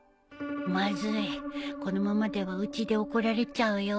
まずいこのままではうちで怒られちゃうよ